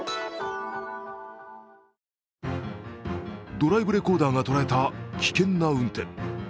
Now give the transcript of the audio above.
ドライブレコーダーが捉えた危険な運転。